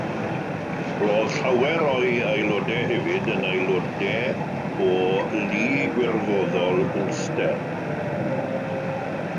Roedd llawer o'i aelodau hefyd yn aelodau o Lu Gwirfoddol Ulster.